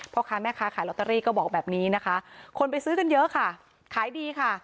พ่อค้าแม่ค้าขายลอตเตอรี่ก็บอกแบบนี้นะคะคนไปซื้อกันเยอะค่ะขายดีค่ะ